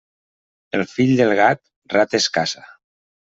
El fill del gat, rates caça.